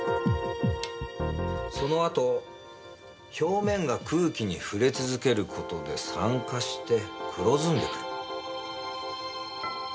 そのあと表面が空気に触れ続ける事で酸化して黒ずんでくる。